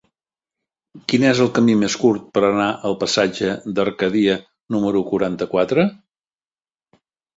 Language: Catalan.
Quin és el camí més curt per anar al passatge d'Arcadia número quaranta-quatre?